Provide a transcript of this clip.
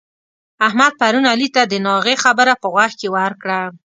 احمد پرون علي ته د ناغې خبره په غوږ کې ورکړه.